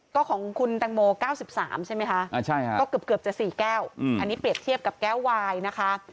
ก็ของคุณแตงโม๙๓ใช่ไหมคะก็เกือบจะ๔แก้วอันนี้เปรียบเทียบกับแก้ววายนะคะ